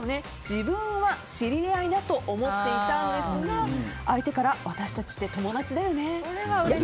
自分は知り合いだと思っていたんですが相手から私たちって友達だよねと。